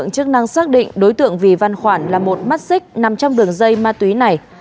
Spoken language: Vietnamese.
chức năng xác định đối tượng vì văn khoản là một mắt xích nằm trong đường dây ma túy này